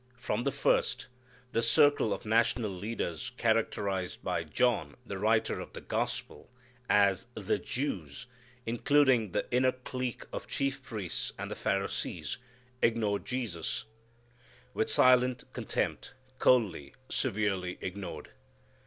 From the first, the circle of national leaders characterized by John, the writer of the Gospel, as "the Jews," including the inner clique of chief priests and the Pharisees, ignored Jesus; with silent contempt, coldly, severely ignored.